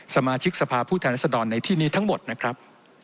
สมาชิกสภาพผู้แทนรัศดรในที่นี้ทั้งหมดนะครับ